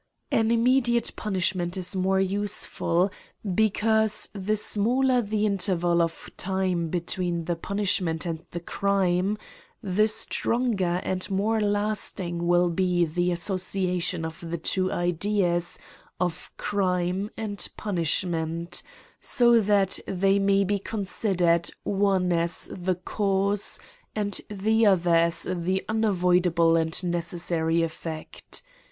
An immediate punishment is more useful ; be cause the smaller the interval of time between the punishment and the crime, the stronger and more lasting will be the association of the two ideas of crime and punishment : so tha they may be considered, one as the cause, and the other as the unavoidable and necessary effect.